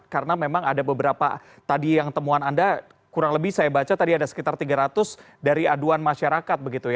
karena memang ada beberapa tadi yang temuan anda kurang lebih saya baca tadi ada sekitar tiga ratus dari aduan masyarakat